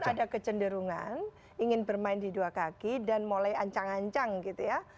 ada kecenderungan ingin bermain di dua kaki dan mulai ancang ancang gitu ya